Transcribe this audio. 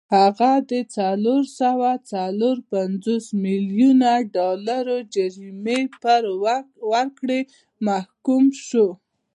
هغه د څلور سوه څلور پنځوس میلیونه ډالرو جریمې پر ورکړې محکوم شو.